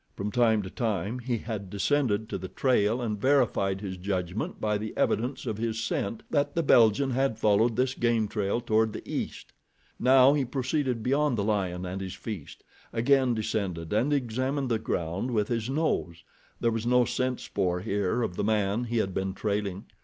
From time to time he had descended to the trail and verified his judgment by the evidence of his scent that the Belgian had followed this game trail toward the east. Now he proceeded beyond the lion and his feast, again descended and examined the ground with his nose. There was no scent spoor here of the man he had been trailing.